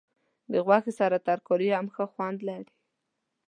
د غوښې سره ترکاري هم ښه خوند لري.